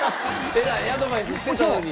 えらいアドバイスしてたのに？